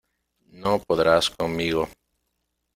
No podrás conmigo.